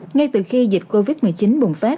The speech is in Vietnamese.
ngay từ khi dịch covid một mươi chín bùng phát